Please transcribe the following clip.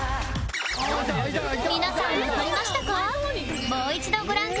皆さんわかりましたか？